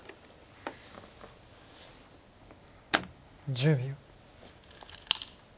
１０秒。